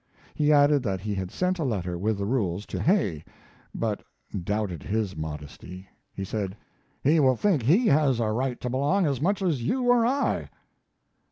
He added that he had sent a letter, with the rules, to Hay, but doubted his modesty. He said: "He will think he has a right to belong as much as you or I."